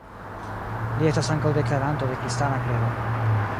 Li estas ankaŭ deklaranto de kristana kredo.